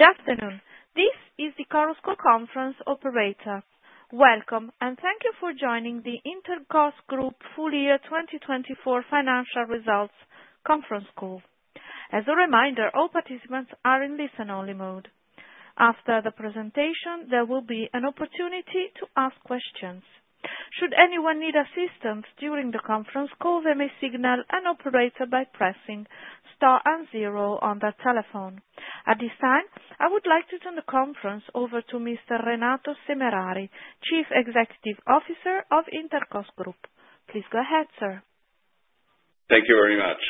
Welcome, and thank you for joining the Intercos Group Full Year 2024 Financial Results Conference Call. As a reminder, all participants are in listen-only mode. After the presentation, there will be an opportunity to ask questions. Should anyone need assistance during the conference call, they may signal an operator by pressing star and zero on their telephone. At this time, I would like to turn the conference over to Mr. Renato Semerari, Chief Executive Officer of Intercos Group. Please go ahead, sir. Thank you very much.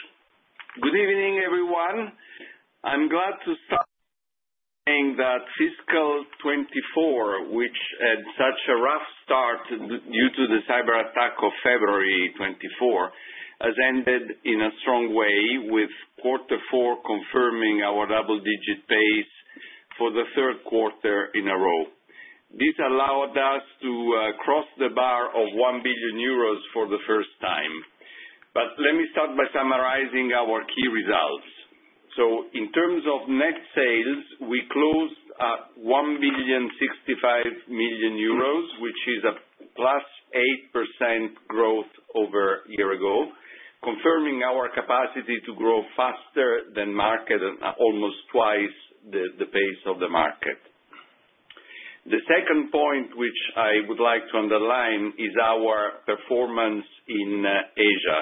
Good evening, everyone. I'm glad to say that Fiscal 2024, which had such a rough start due to the cyber attack of February 2024, has ended in a strong way, with quarter four confirming our double-digit pace for the third quarter in a row. This allowed us to cross the bar of 1 billion euros for the first time. Let me start by summarizing our key results. In terms of net sales, we closed at 1.65 billion euros, which is a +8% growth over a year ago, confirming our capacity to grow faster than market, almost twice the pace of the market. The second point which I would like to underline is our performance in Asia.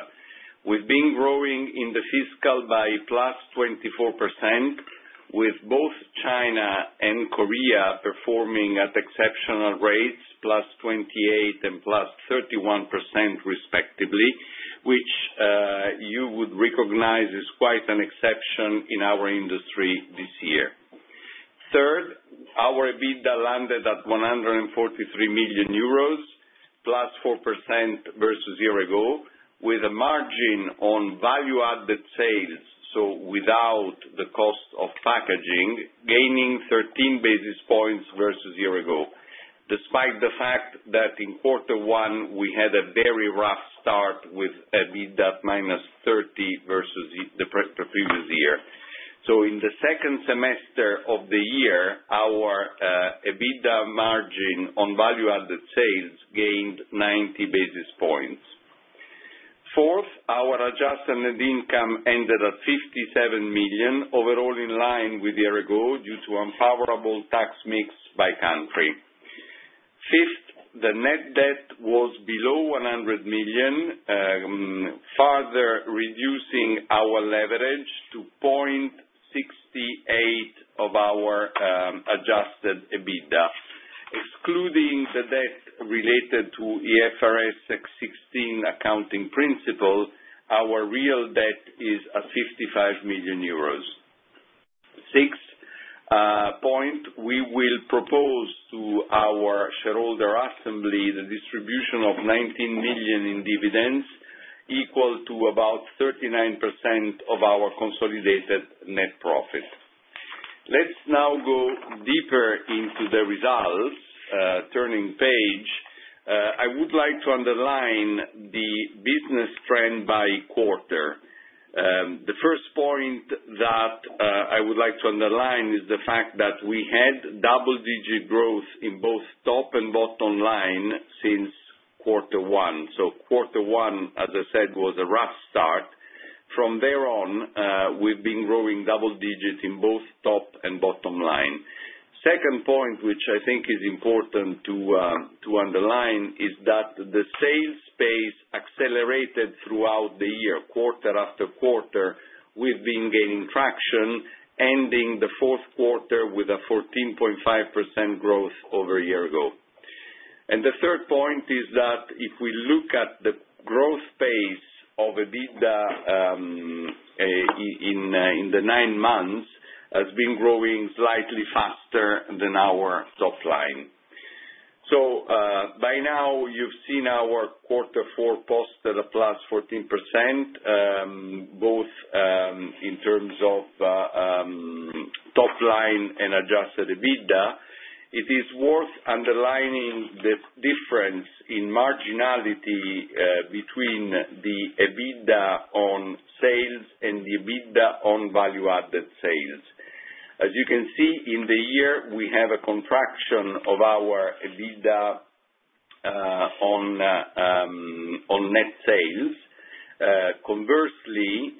We've been growing in the fiscal by +24%, with both China and Korea performing at exceptional rates, +28% and +31%, respectively, which you would recognize is quite an exception in our industry this year. Third, our EBITDA landed at 143 million euros, +4% versus a year ago, with a margin on value-added sales, so without the cost of packaging, gaining 13 basis points versus a year ago, despite the fact that in quarter one we had a very rough start with EBITDA -30 versus the previous year. In the second semester of the year, our EBITDA margin on value-added sales gained 90 basis points. Fourth, our adjusted net income ended at 57 million, overall in line with a year ago due to a favorable tax mix by country. Fifth, the net debt was below 100 million, further reducing our leverage to 0.68 of our adjusted EBITDA. Excluding the debt related to IFRS 16 accounting principle, our real debt is at 55 million euros. Sixth point, we will propose to our shareholder assembly the distribution of 19 million in dividends, equal to about 39% of our consolidated net profit. Let's now go deeper into the results, turning page. I would like to underline the business trend by quarter. The first point that I would like to underline is the fact that we had double-digit growth in both top and bottom line since quarter one. Quarter one, as I said, was a rough start. From there on, we've been growing double-digit in both top and bottom line. Second point, which I think is important to underline, is that the sales pace accelerated throughout the year, quarter after quarter. We've been gaining traction, ending the fourth quarter with a 14.5% growth over a year ago. The third point is that if we look at the growth pace of EBITDA in the nine months, it has been growing slightly faster than our top line. By now, you've seen our quarter four posted at +14%, both in terms of top line and adjusted EBITDA. It is worth underlining the difference in marginality between the EBITDA on sales and the EBITDA on value-added sales. As you can see, in the year, we have a contraction of our EBITDA on net sales. Conversely,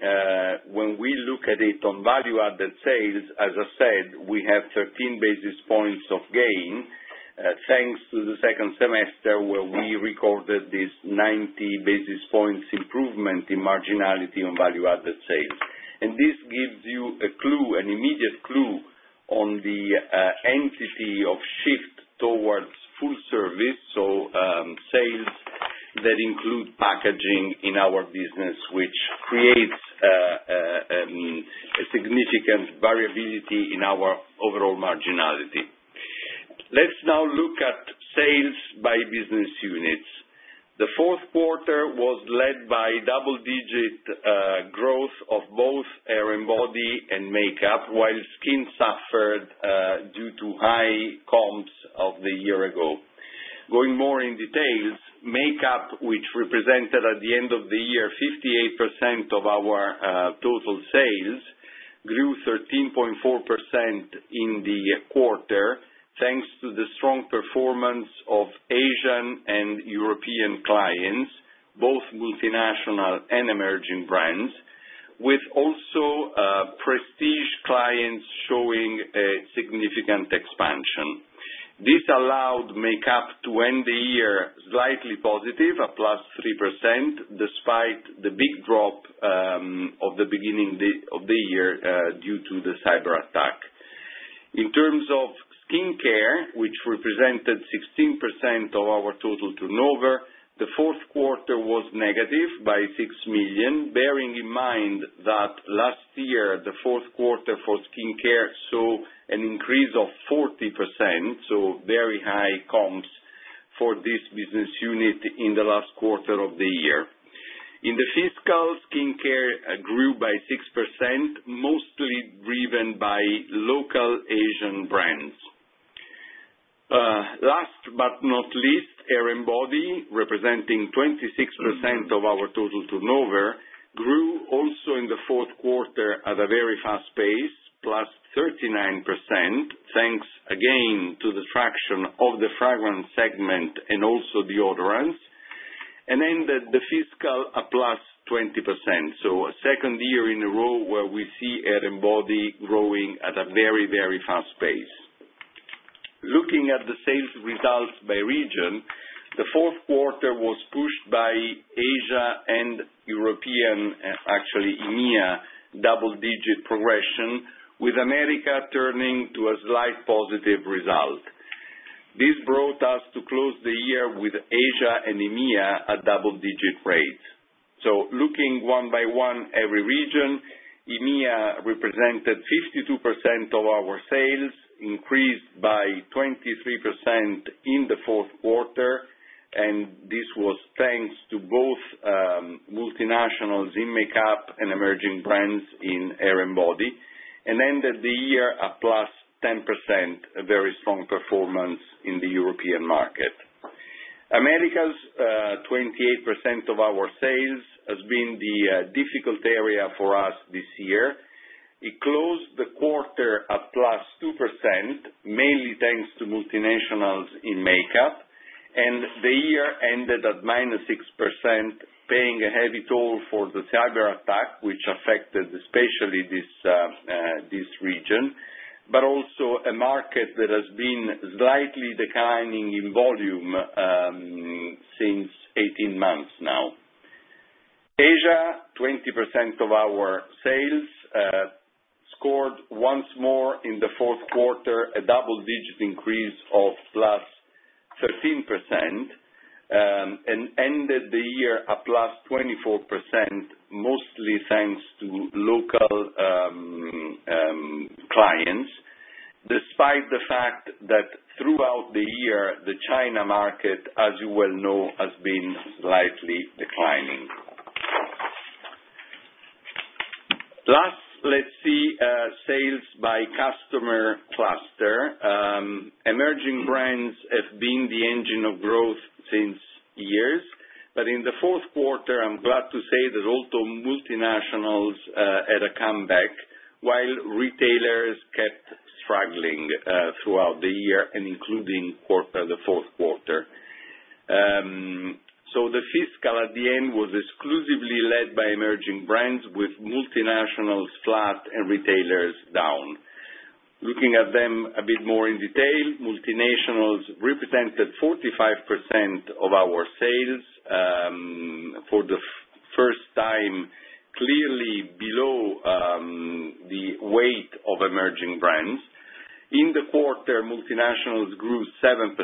when we look at it on value-added sales, as I said, we have 13 basis points of gain, thanks to the second semester where we recorded this 90 basis points improvement in marginality on value-added sales. This gives you a clue, an immediate clue on the entity of shift towards full service, so sales that include packaging in our business, which creates a significant variability in our overall marginality. Let's now look at sales by business units. The fourth quarter was led by double-digit growth of both air and body and makeup, while skin suffered due to high comps of the year ago. Going more in detail, makeup, which represented at the end of the year 58% of our total sales, grew 13.4% in the quarter, thanks to the strong performance of Asian and European clients, both multinational and emerging brands, with also prestige clients showing significant expansion. This allowed makeup to end the year slightly positive, a +3%, despite the big drop of the beginning of the year due to the cyber attack. In terms of skincare, which represented 16% of our total turnover, the fourth quarter was negative by 6 million, bearing in mind that last year, the fourth quarter for skincare saw an increase of 40%, so very high comps for this business unit in the last quarter of the year. In the fiscal, skincare grew by 6%, mostly driven by local Asian brands. Last but not least, air and body, representing 26% of our total turnover, grew also in the fourth quarter at a very fast pace, +39%, thanks again to the traction of the fragrance segment and also deodorants, and ended the fiscal at +20%. Second year in a row where we see air and body growing at a very, very fast pace. Looking at the sales results by region, the fourth quarter was pushed by Asia and European, actually EMEA, double-digit progression, with America turning to a slight positive result. This brought us to close the year with Asia and EMEA at double-digit rates. Looking one by one every region, EMEA represented 52% of our sales, increased by 23% in the fourth quarter, and this was thanks to both multinationals in makeup and emerging brands in air and body, and ended the year at +10%, a very strong performance in the European market. America's 28% of our sales has been the difficult area for us this year. It closed the quarter at +2%, mainly thanks to multinationals in makeup, and the year ended at 9.6%, paying a heavy toll for the cyber attack, which affected especially this region, but also a market that has been slightly declining in volume since 18 months now. Asia, 20% of our sales, scored once more in the fourth quarter a double-digit increase of +13%, and ended the year at +24%, mostly thanks to local clients, despite the fact that throughout the year, the China market, as you well know, has been slightly declining. Last, let's see sales by customer cluster. Emerging brands have been the engine of growth since years, but in the fourth quarter, I'm glad to say that also multinationals had a comeback, while retailers kept struggling throughout the year, including the fourth quarter. The fiscal at the end was exclusively led by emerging brands, with multinationals flat and retailers down. Looking at them a bit more in detail, multinationals represented 45% of our sales for the first time, clearly below the weight of emerging brands. In the quarter, multinationals grew 7%,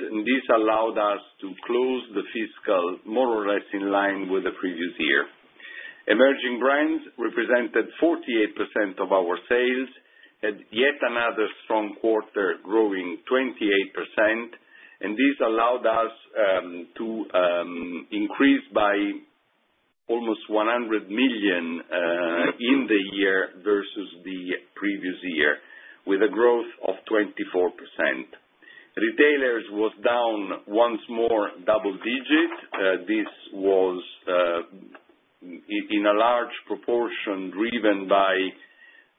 and this allowed us to close the fiscal more or less in line with the previous year. Emerging brands represented 48% of our sales, and yet another strong quarter growing 28%, and this allowed us to increase by almost 100 million in the year versus the previous year, with a growth of 24%. Retailers was down once more double-digit. This was, in a large proportion, driven by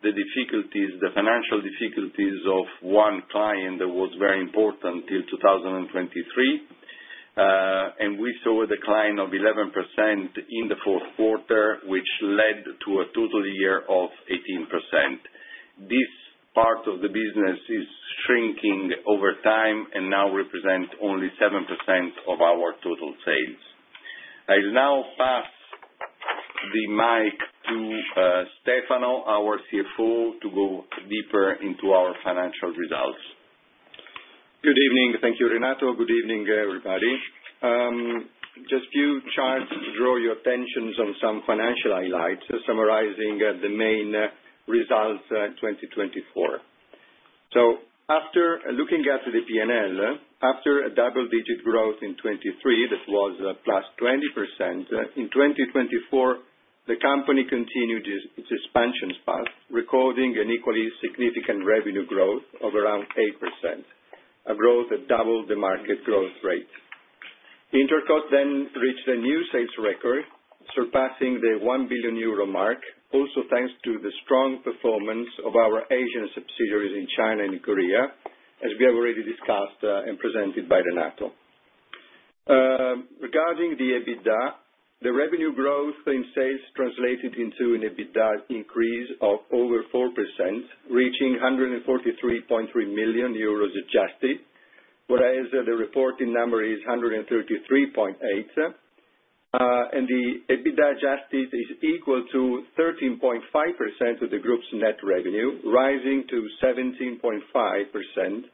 the difficulties, the financial difficulties of one client that was very important till 2023, and we saw a decline of 11% in the fourth quarter, which led to a total year of 18%. This part of the business is shrinking over time and now represents only 7% of our total sales. I now pass the mic to Stefano, our CFO, to go deeper into our financial results. Good evening. Thank you, Renato. Good evening, everybody. Just a few charts to draw your attention on some financial highlights, summarizing the main results in 2024. After looking at the P&L, after a double-digit growth in 2023 that was +20%, in 2024, the company continued its expansion path, recording an equally significant revenue growth of around 8%, a growth that doubled the market growth rate. Intercos then reached a new sales record, surpassing the 1 billion euro mark, also thanks to the strong performance of our Asian subsidiaries in China and Korea, as we have already discussed and presented by Renato. Regarding the EBITDA, the revenue growth in sales translated into an EBITDA increase of over 4%, reaching 143.3 million euros adjusted, whereas the reporting number is 133.8 million, and the EBITDA adjusted is equal to 13.5% of the group's net revenue, rising to 17.5%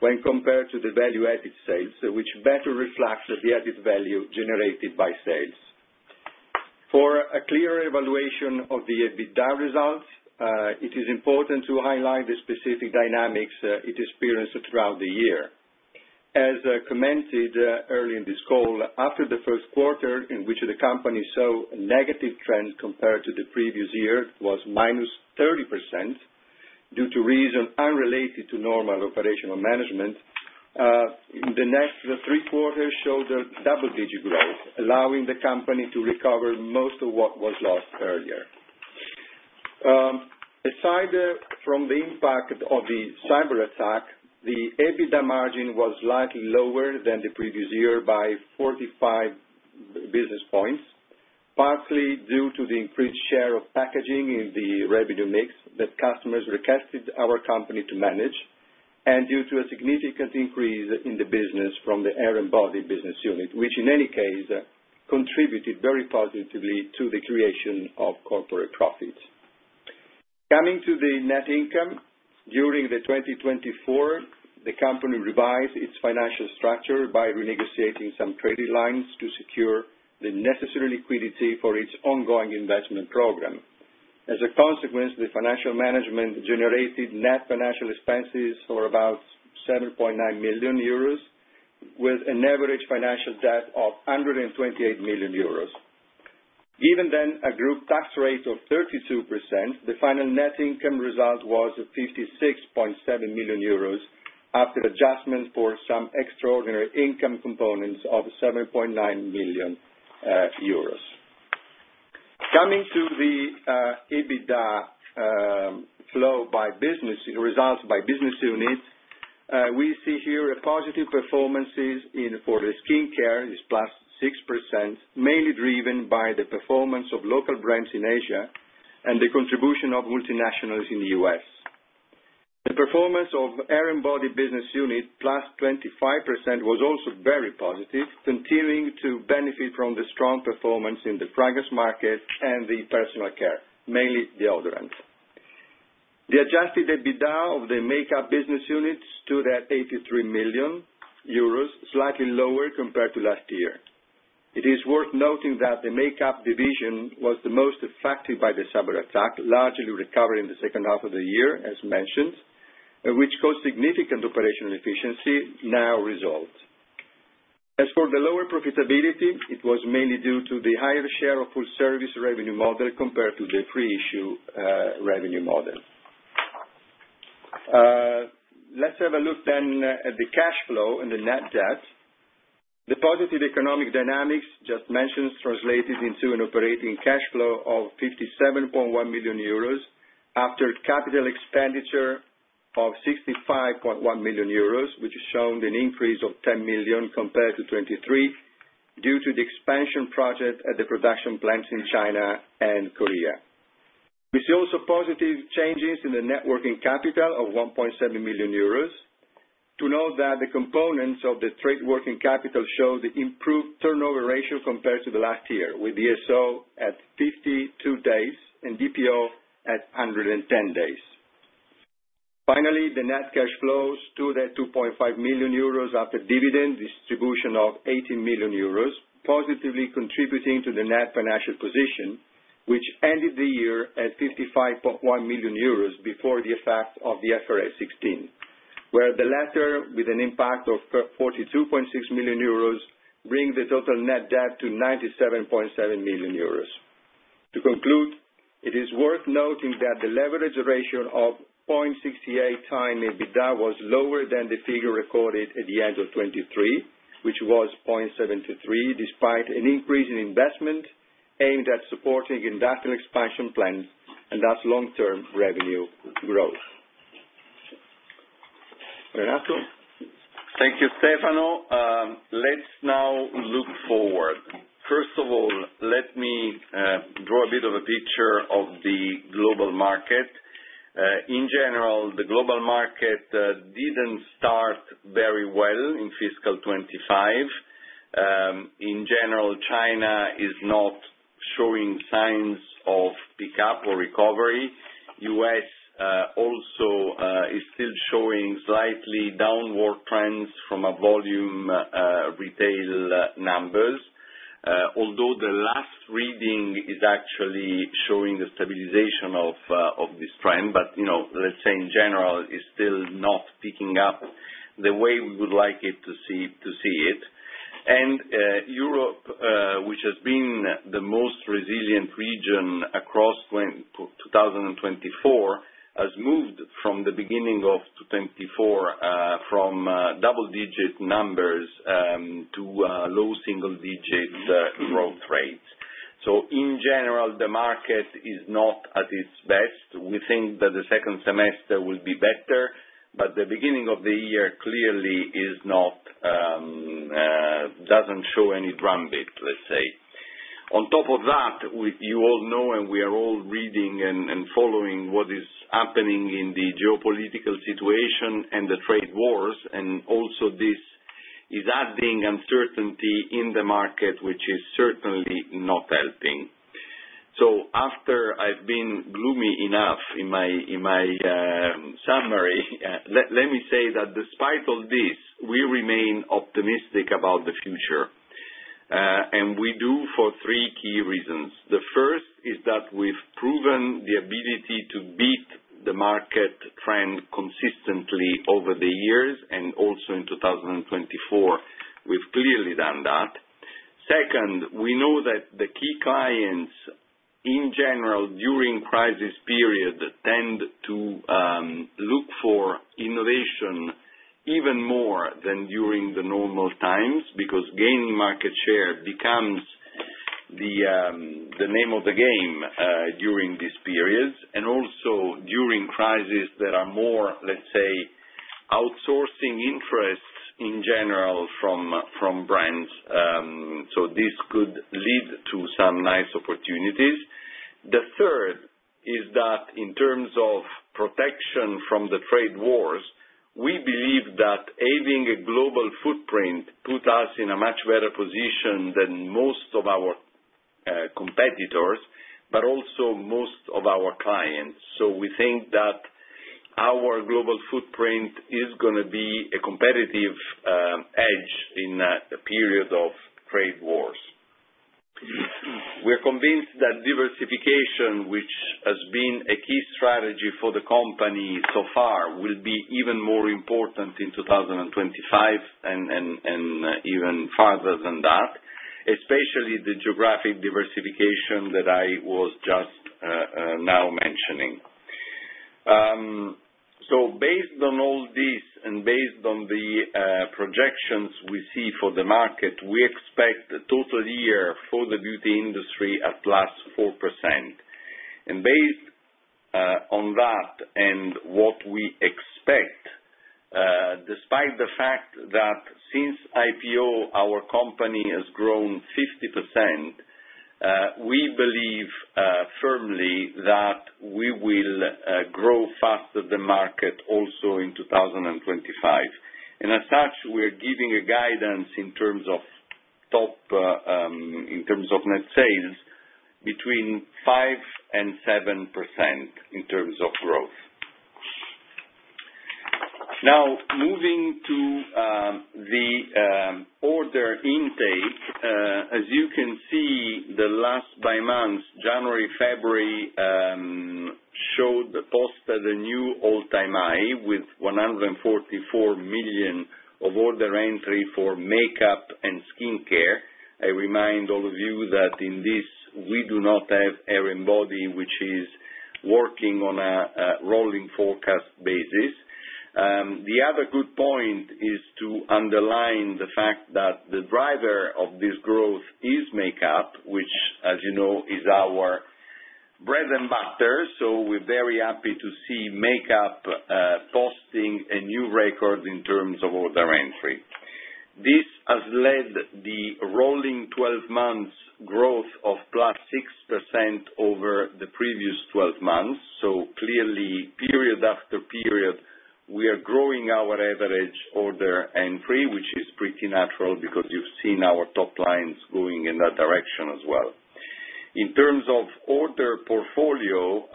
when compared to the value-added sales, which better reflects the added value generated by sales. For a clearer evaluation of the EBITDA results, it is important to highlight the specific dynamics it experienced throughout the year. As commented early in this call, after the first quarter, in which the company saw a negative trend compared to the previous year, it was -30% due to reasons unrelated to normal operational management. The next three quarters showed a double-digit growth, allowing the company to recover most of what was lost earlier. Aside from the impact of the cyber attack, the EBITDA margin was slightly lower than the previous year by 45 basis points, partly due to the increased share of packaging in the revenue mix that customers requested our company to manage, and due to a significant increase in the business from the air and body business unit, which in any case contributed very positively to the creation of corporate profits. Coming to the net income, during 2024, the company revised its financial structure by renegotiating some trading lines to secure the necessary liquidity for its ongoing investment program. As a consequence, the financial management generated net financial expenses for about 7.9 million euros, with an average financial debt of 128 million euros. Given then a group tax rate of 32%, the final net income result was 56.7 million euros after adjustment for some extraordinary income components of 7.9 million euros. Coming to the EBITDA flow by business, results by business unit, we see here positive performances for the skincare, +6%, mainly driven by the performance of local brands in Asia and the contribution of multinationals in the US. The performance of air and body business unit, +25%, was also very positive, continuing to benefit from the strong performance in the fragrance market and the personal care, mainly deodorant. The adjusted EBITDA of the makeup business unit stood at 83 million euros, slightly lower compared to last year. It is worth noting that the makeup division was the most affected by the cyber attack, largely recovering in the second half of the year, as mentioned, which caused significant operational efficiency, now resolved. As for the lower profitability, it was mainly due to the higher share of full service revenue model compared to the pre-issue revenue model. Let's have a look then at the cash flow and the net debt. The positive economic dynamics just mentioned translated into an operating cash flow of 57.1 million euros after capital expenditure of 65.1 million euros, which has shown an increase of 10 million compared to 2023 due to the expansion project at the production plants in China and Korea. We see also positive changes in the net working capital of 1.7 million euros. To note that the components of the trade working capital show the improved turnover ratio compared to the last year, with ESO at 52 days and DPO at 110 days. Finally, the net cash flows stood at 2.5 million euros after dividend distribution of 18 million euros, positively contributing to the net financial position, which ended the year at 55.1 million euros before the effect of IFRS 16, where the latter, with an impact of 42.6 million euros, brings the total net debt to 97.7 million euros. To conclude, it is worth noting that the leverage ratio of 0.68 times EBITDA was lower than the figure recorded at the end of 2023, which was 0.73, despite an increase in investment aimed at supporting industrial expansion plans and thus long-term revenue growth. Renato? Thank you, Stefano. Let's now look forward. First of all, let me draw a bit of a picture of the global market. In general, the global market didn't start very well in fiscal 2025. In general, China is not showing signs of pickup or recovery. The U.S. also is still showing slightly downward trends from volume retail numbers, although the last reading is actually showing the stabilization of this trend, but let's say in general is still not picking up the way we would like it to see it. Europe, which has been the most resilient region across 2024, has moved from the beginning of 2024 from double-digit numbers to low single-digit growth rates. In general, the market is not at its best. We think that the second semester will be better, but the beginning of the year clearly doesn't show any drumbeat, let's say. On top of that, you all know and we are all reading and following what is happening in the geopolitical situation and the trade wars, and also this is adding uncertainty in the market, which is certainly not helping. After I have been gloomy enough in my summary, let me say that despite all this, we remain optimistic about the future, and we do for three key reasons. The first is that we have proven the ability to beat the market trend consistently over the years, and also in 2024, we have clearly done that. Second, we know that the key clients, in general, during crisis periods tend to look for innovation even more than during the normal times because gaining market share becomes the name of the game during these periods, and also during crises, there are more, let's say, outsourcing interests in general from brands. This could lead to some nice opportunities. The third is that in terms of protection from the trade wars, we believe that having a global footprint puts us in a much better position than most of our competitors, but also most of our clients. We think that our global footprint is going to be a competitive edge in a period of trade wars. We're convinced that diversification, which has been a key strategy for the company so far, will be even more important in 2025 and even farther than that, especially the geographic diversification that I was just now mentioning. Based on all this and based on the projections we see for the market, we expect the total year for the beauty industry at +4%. Based on that and what we expect, despite the fact that since IPO, our company has grown 50%, we believe firmly that we will grow faster than the market also in 2025. As such, we are giving a guidance in terms of net sales between 5%-7% in terms of growth. Now, moving to the order intake, as you can see, the last by month, January, February showed the post a new all-time high with 144 million of order entry for makeup and skincare. I remind all of you that in this, we do not have air and body, which is working on a rolling forecast basis. The other good point is to underline the fact that the driver of this growth is makeup, which, as you know, is our bread and butter. We're very happy to see makeup posting a new record in terms of order entry. This has led the rolling 12 months growth of +6% over the previous 12 months. Clearly, period after period, we are growing our average order entry, which is pretty natural because you've seen our top lines going in that direction as well. In terms of order portfolio,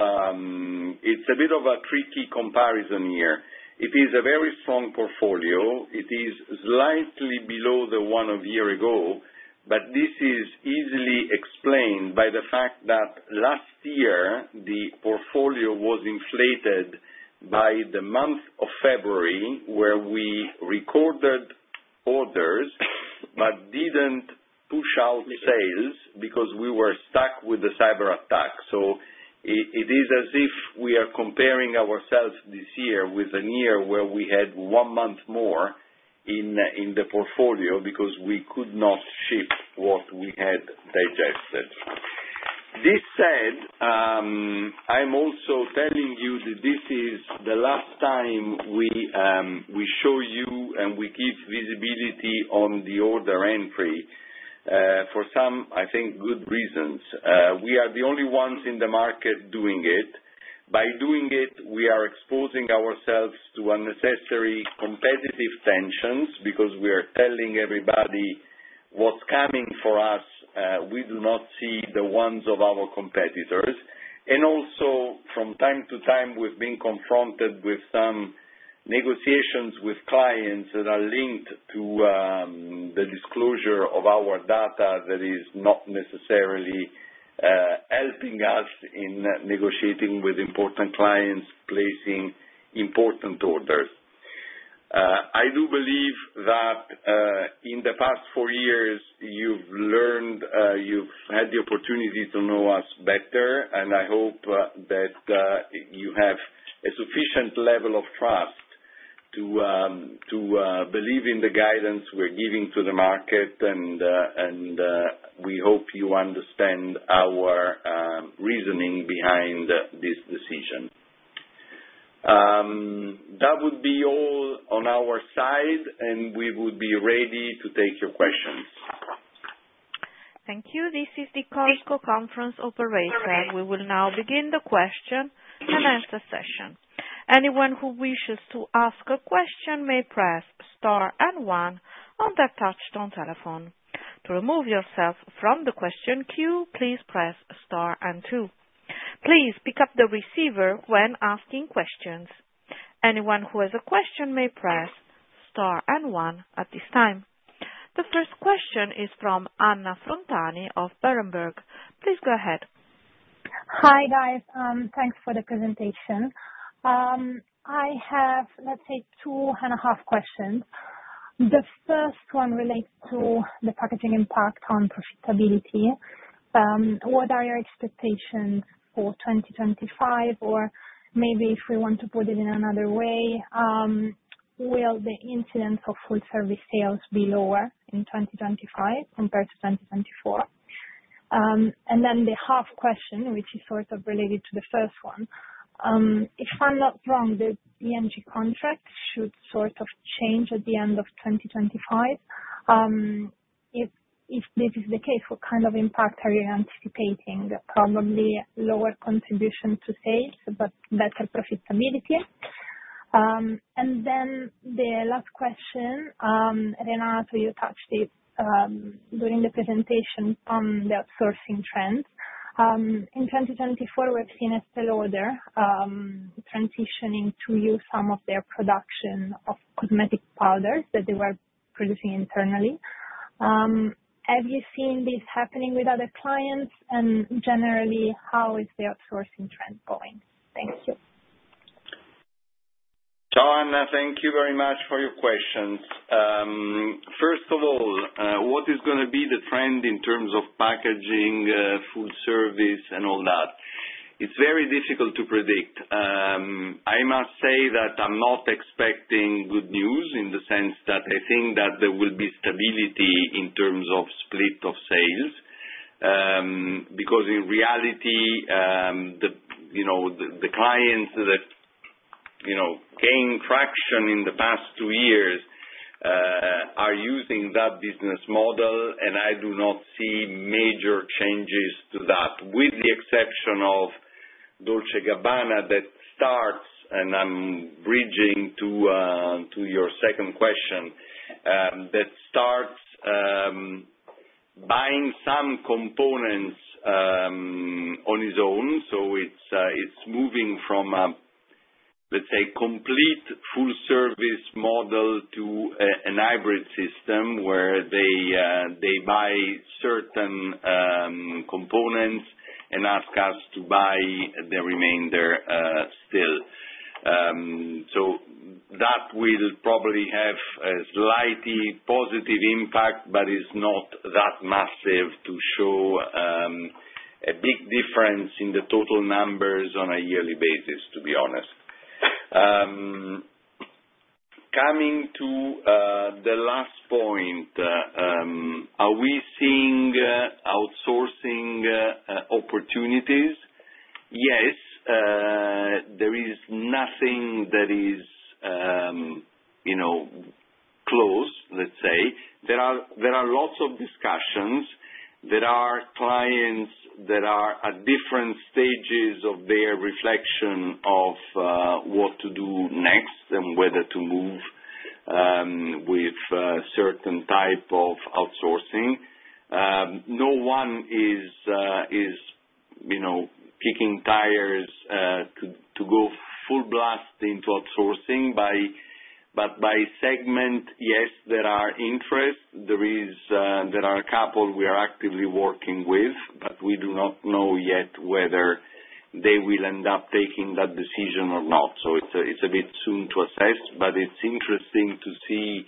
it's a bit of a tricky comparison here. It is a very strong portfolio. It is slightly below the one a year ago, but this is easily explained by the fact that last year, the portfolio was inflated by the month of February, where we recorded orders but did not push out sales because we were stuck with the cyber attack. It is as if we are comparing ourselves this year with a year where we had one month more in the portfolio because we could not ship what we had digested. This said, I'm also telling you that this is the last time we show you and we give visibility on the order entry for some, I think, good reasons. We are the only ones in the market doing it. By doing it, we are exposing ourselves to unnecessary competitive tensions because we are telling everybody what's coming for us. We do not see the ones of our competitors. Also, from time to time, we've been confronted with some negotiations with clients that are linked to the disclosure of our data that is not necessarily helping us in negotiating with important clients, placing important orders. I do believe that in the past four years, you've lerned, you've had the opportunity to know us better, and I hope that you have a sufficient level of trust to believe in the guidance we're giving to the market, and we hope you understand our reasoning behind this decision. That would be all on our side, and we would be ready to take your questions. Thank you. This is the COSCO Conference Operation. We will now begin the question and answer session. Anyone who wishes to ask a question may press star and one on the touchstone telephone. To remove yourself from the question queue, please press star and two. Please pick up the receiver when asking questions. Anyone who has a question may press star and one at this time. The first question is from Anna Frontani of Berenberg. Please go ahead. Hi, guys. Thanks for the presentation. I have, let's say, two and a half questions. The first one relates to the packaging impact on profitability. What are your expectations for 2025? If we want to put it in another way, will the incidence of full-service sales be lower in 2025 compared to 2024? The half question, which is sort of related to the first one. If I'm not wrong, the ENG contract should sort of change at the end of 2025. If this is the case, what kind of impact are you anticipating? Probably lower contribution to sales, but better profitability. The last question, Renato, you touched it during the presentation on the outsourcing trends. In 2024, we've seen Estée Lauder transitioning to use some of their production of cosmetic powders that they were producing internally. Have you seen this happening with other clients? Generally, how is the outsourcing trend going? Thank you. Anna, thank you very much for your questions. First of all, what is going to be the trend in terms of packaging, full service, and all that? It is very difficult to predict. I must say that I am not expecting good news in the sense that I think that there will be stability in terms of split of sales because, in reality, the clients that gained traction in the past two years are using that business model, and I do not see major changes to that, with the exception of Dolce & Gabbana that starts—I am bridging to your second question—that starts buying some components on its own. It is moving from a, let's say, complete full-service model to a hybrid system where they buy certain components and ask us to buy the remainder still. That will probably have a slightly positive impact, but it's not that massive to show a big difference in the total numbers on a yearly basis, to be honest. Coming to the last point, are we seeing outsourcing opportunities? Yes. There is nothing that is closed, let's say. There are lots of discussions. There are clients that are at different stages of their reflection of what to do next and whether to move with a certain type of outsourcing. No one is kicking tires to go full blast into outsourcing, but by segment, yes, there are interests. There are a couple we are actively working with, but we do not know yet whether they will end up taking that decision or not. It's a bit soon to assess, but it's interesting to see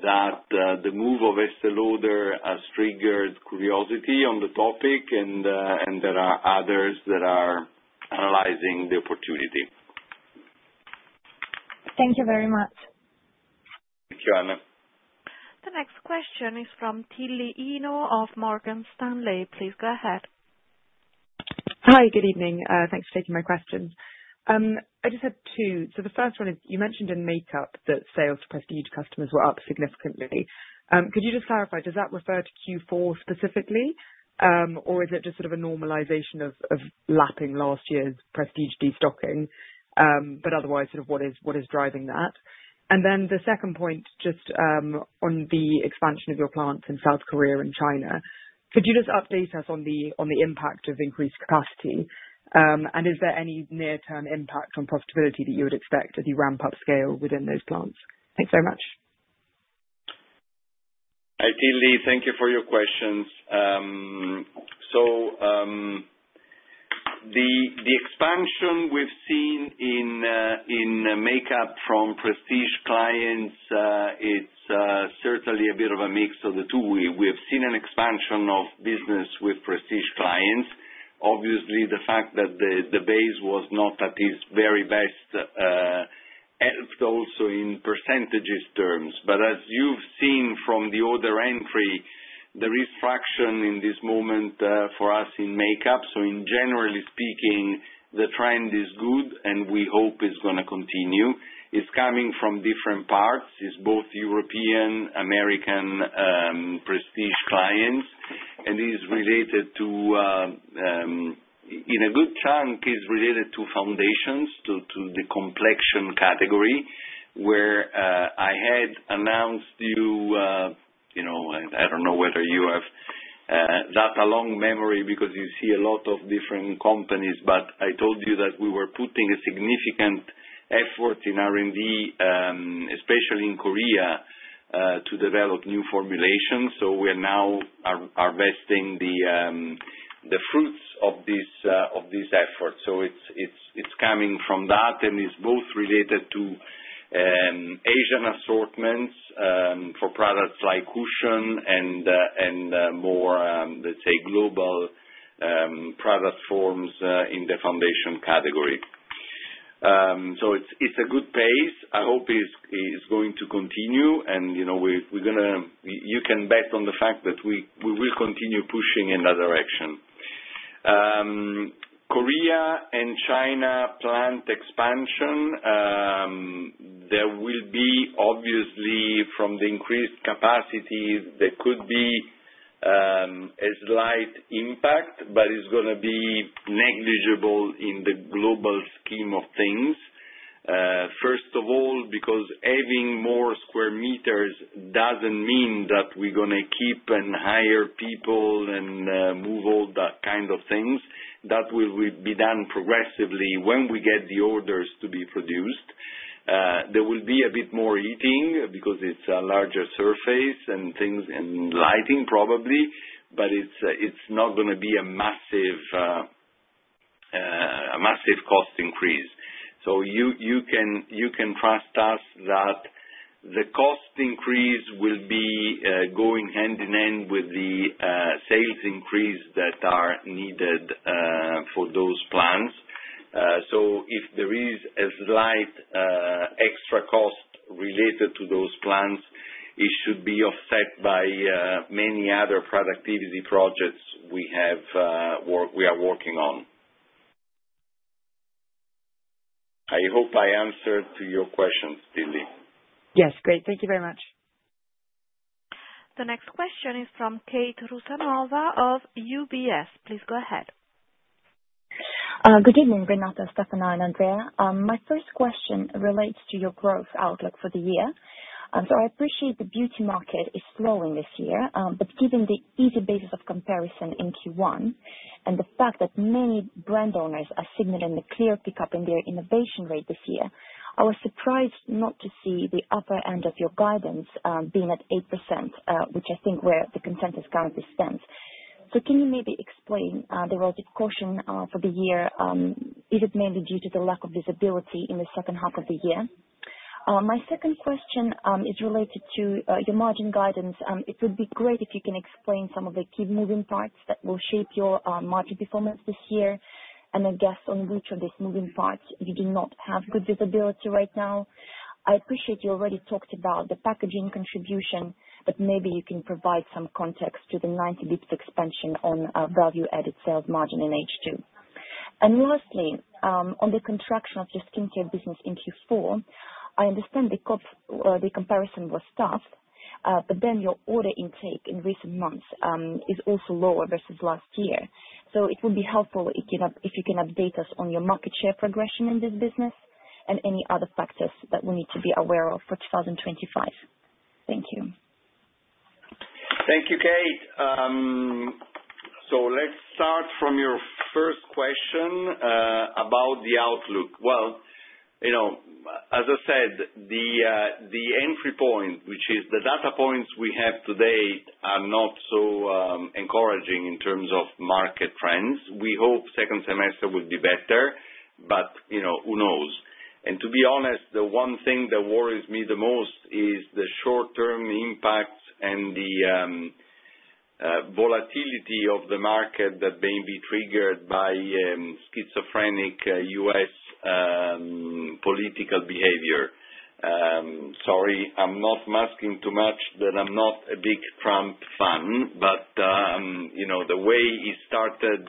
that the move of Estée Lauder has triggered curiosity on the topic, and there are others that are analyzing the opportunity. Thank you very much. Thank you, Anna. The next question is from Tilly Eno of Morgan Stanley. Please go ahead. Hi, good evening. Thanks for taking my question. I just had two. The first one is you mentioned in makeup that sales to prestige customers were up significantly. Could you just clarify, does that refer to Q4 specifically, or is it just sort of a normalization of lapping last year's prestige destocking? Otherwise, what is driving that? The second point, just on the expansion of your plants in South Korea and China, could you just update us on the impact of increased capacity? Is there any near-term impact on profitability that you would expect as you ramp up scale within those plants? Thanks very much. Tilly, thank you for your questions. The expansion we've seen in makeup from prestige clients, it's certainly a bit of a mix of the two. We have seen an expansion of business with prestige clients. Obviously, the fact that the base was not at its very best helped also in percentage terms. As you've seen from the order entry, there is fraction in this moment for us in makeup. In general, the trend is good, and we hope it's going to continue. It's coming from different parts. It's both European, American, prestige clients, and it is related to, in a good chunk, it's related to foundations, to the complexion category, where I had announced to you—I don't know whether you have that long memory because you see a lot of different companies—but I told you that we were putting a significant effort in R&D, especially in Korea, to develop new formulations. We are now harvesting the fruits of this effort. It is coming from that, and it is both related to Asian assortments for products like cushion and more, let's say, global product forms in the foundation category. It is a good pace. I hope it is going to continue, and you can bet on the fact that we will continue pushing in that direction. Korea and China plant expansion, there will be, obviously, from the increased capacity, there could be a slight impact, but it is going to be negligible in the global scheme of things. First of all, because having more square meters does not mean that we are going to keep and hire people and move all that kind of things. That will be done progressively when we get the orders to be produced. There will be a bit more heating because it is a larger surface and lighting, probably, but it is not going to be a massive cost increase. You can trust us that the cost increase will be going hand in hand with the sales increase that are needed for those plants. If there is a slight extra cost related to those plants, it should be offset by many other productivity projects we are working on. I hope I answered your questions, Tilly. Yes, great. Thank you very much. The next question is from Kate Rusanova of UBS. Please go ahead. Good evening, Renato, Stefano, and Andrea. My first question relates to your growth outlook for the year. I appreciate the beauty market is slowing this year, but given the easy basis of comparison in Q1 and the fact that many brand owners are signaling a clear pickup in their innovation rate this year, I was surprised not to see the upper end of your guidance being at 8%, which I think is where the consensus currently stands. Can you maybe explain the relative caution for the year? Is it mainly due to the lack of visibility in the second half of the year? My second question is related to your margin guidance. It would be great if you can explain some of the key moving parts that will shape your margin performance this year, and I guess on which of these moving parts you do not have good visibility right now. I appreciate you already talked about the packaging contribution, but maybe you can provide some context to the 90 basis points of expansion on value-added sales margin in H2. Lastly, on the contraction of your skincare business in Q4, I understand the comparison was tough, but then your order intake in recent months is also lower versus last year. It would be helpful if you can update us on your market share progression in this business and any other factors that we need to be aware of for 2025. Thank you. Thank you, Kate. Let's start from your first question about the outlook. As I said, the entry point, which is the data points we have today, are not so encouraging in terms of market trends. We hope second semester will be better, but who knows? To be honest, the one thing that worries me the most is the short-term impact and the volatility of the market that may be triggered by schizophrenic U.S. political behavior. Sorry, I'm not masking too much that I'm not a big Trump fan, but the way he started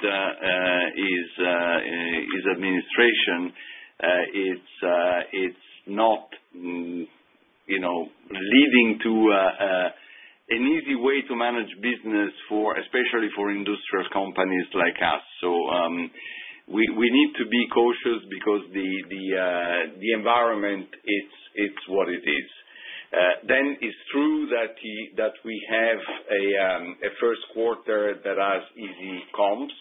his administration, it's not leading to an easy way to manage business, especially for industrial companies like us. We need to be cautious because the environment, it's what it is. It is true that we have a first quarter that has easy comps.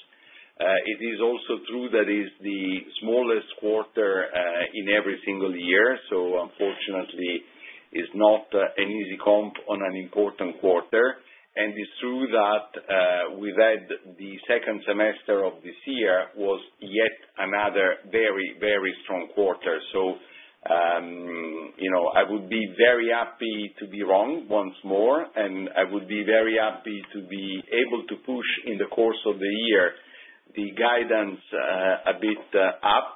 It is also true that it's the smallest quarter in every single year. Unfortunately, it's not an easy comp on an important quarter. It's true that we've had the second semester of this year was yet another very, very strong quarter. I would be very happy to be wrong once more, and I would be very happy to be able to push, in the course of the year, the guidance a bit up,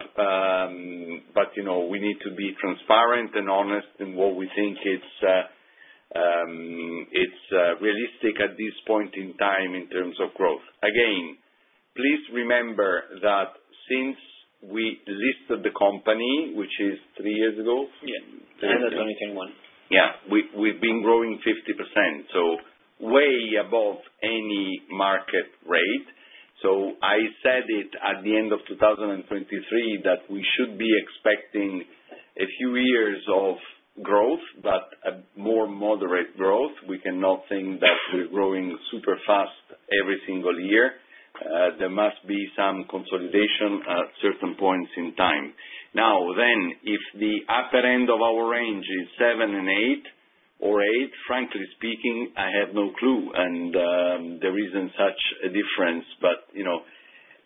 but we need to be transparent and honest in what we think is realistic at this point in time in terms of growth. Again, please remember that since we listed the company, which is three years ago. Yeah, end of 2021. Yeah, we've been growing 50%, so way above any market rate. I said it at the end of 2023 that we should be expecting a few years of growth, but more moderate growth. We cannot think that we're growing super fast every single year. There must be some consolidation at certain points in time. Now, if the upper end of our range is seven and eight or eight, frankly speaking, I have no clue and there isn't such a difference.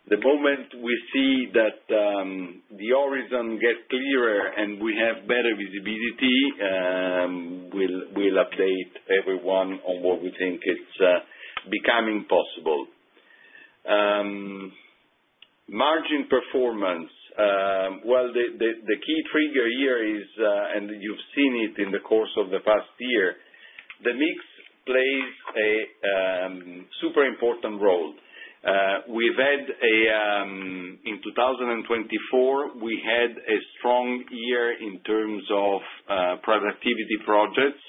The moment we see that the horizon gets clearer and we have better visibility, we'll update everyone on what we think is becoming possible. Margin performance, the key trigger here is, and you've seen it in the course of the past year, the mix plays a super important role. In 2024, we had a strong year in terms of productivity projects.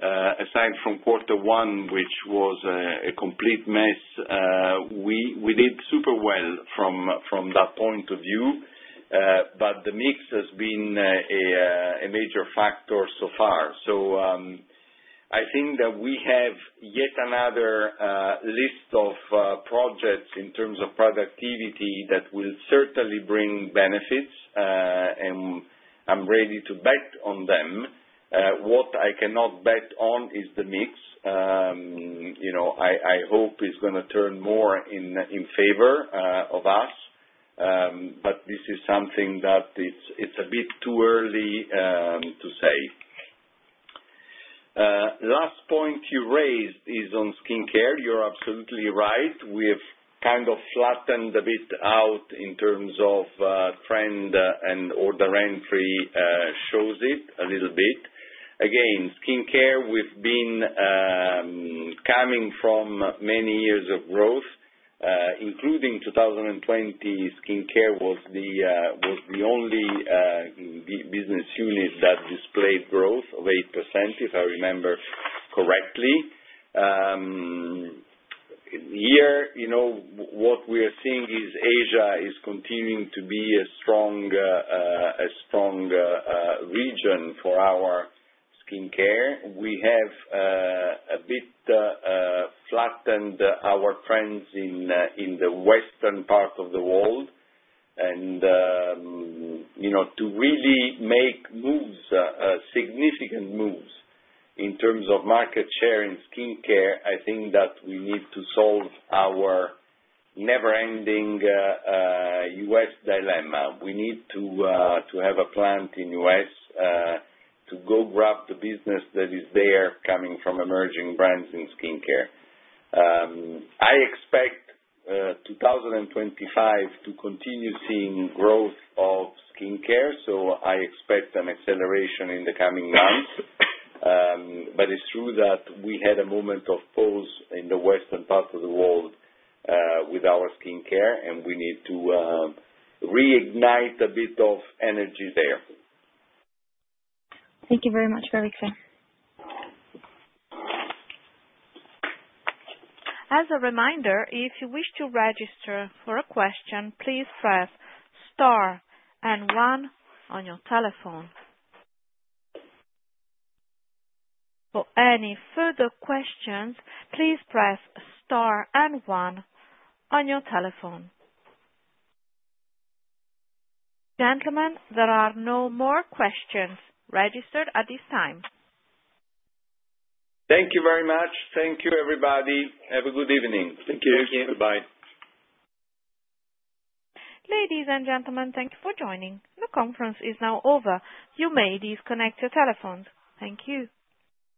Aside from quarter one, which was a complete mess, we did super well from that point of view, but the mix has been a major factor so far. I think that we have yet another list of projects in terms of productivity that will certainly bring benefits, and I'm ready to bet on them. What I cannot bet on is the mix. I hope it's going to turn more in favor of us, but this is something that it's a bit too early to say. Last point you raised is on skincare. You're absolutely right. We have kind of flattened a bit out in terms of trend, and order entry shows it a little bit. Again, skincare, we've been coming from many years of growth, including 2020. Skincare was the only business unit that displayed growth of 8%, if I remember correctly. Here, what we are seeing is Asia is continuing to be a strong region for our skincare. We have a bit flattened our trends in the western part of the world. To really make significant moves in terms of market share in skincare, I think that we need to solve our never-ending U.S. dilemma. We need to have a plant in the U.S. to go grab the business that is there coming from emerging brands in skincare. I expect 2025 to continue seeing growth of skincare, so I expect an acceleration in the coming months. It is true that we had a moment of pause in the western part of the world with our skincare, and we need to reignite a bit of energy there. Thank you very much, Renato. As a reminder, if you wish to register for a question, please press star and one on your telephone. For any further questions, please press star and one on your telephone. Gentlemen, there are no more questions registered at this time. Thank you very much. Thank you, everybody. Have a good evening. Thank you. Thank you. Goodbye. Ladies and gentlemen, thank you for joining. The conference is now over. You may disconnect your telephones. Thank you.